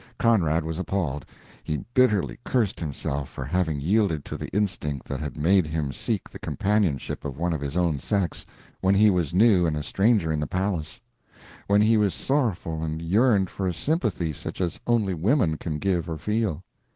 Conrad was appalled. He bitterly cursed himself for having yielded to the instinct that had made him seek the companionship of one of his own sex when he was new and a stranger in the palace when he was sorrowful and yearned for a sympathy such as only women can give or feel.